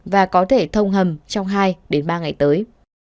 và có thể thông hầm trong hai ba ngày tới